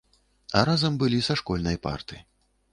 А разам былі са школьнай парты.